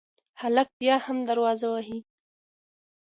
هلک بیا هم دروازه وهي.